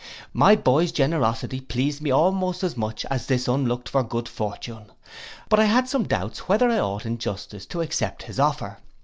My boy's generosity pleased me almost as much as this unlooked for good fortune. But I had some doubts whether I ought in justice to accept his offer.